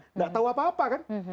tidak tahu apa apa kan